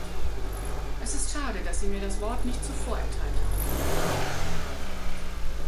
Es ist schade, dass Sie mir das Wort nicht zuvor erteilt haben.